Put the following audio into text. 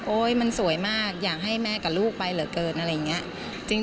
มันสวยมากอยากให้แม่กับลูกไปเหลือเกินอะไรอย่างนี้